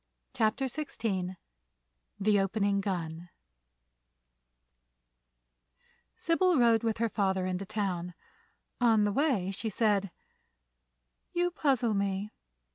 CHAPTER XVI THE OPENING GUN Sybil rode with her father into town. On the way she said: "You puzzle me.